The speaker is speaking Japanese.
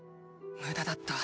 無駄だった。